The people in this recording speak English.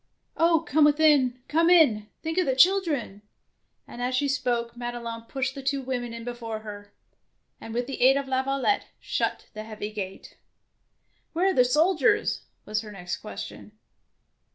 103 DEEDS OF DAEING Oh, come within, come in, think of the children^^; and as she spoke, Mad elon pushed the two women in before her, and with the aid of Laviolette shut the heavy gate. Where are the soldiers I " was her next question.